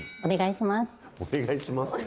「お願いします」って。